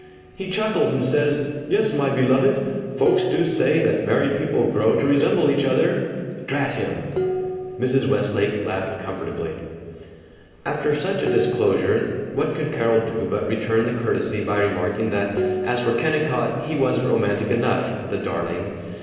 He chuckles and says, 'Yes, my beloved, folks do say that married people grow to resemble each other!' Drat him!" Mrs. Westlake laughed comfortably. After such a disclosure what could Carol do but return the courtesy by remarking that as for Kennicott, he wasn't romantic enough the darling.